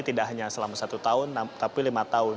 tidak hanya selama satu tahun tapi lima tahun